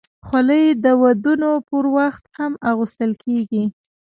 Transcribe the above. خولۍ د ودونو پر وخت هم اغوستل کېږي.